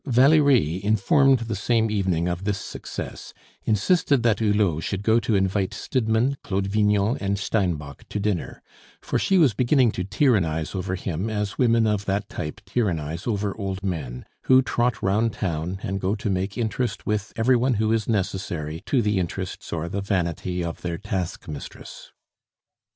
Valerie, informed the same evening of this success, insisted that Hulot should go to invite Stidmann, Claude Vignon, and Steinbock to dinner; for she was beginning to tyrannize over him as women of that type tyrannize over old men, who trot round town, and go to make interest with every one who is necessary to the interests or the vanity of their task mistress.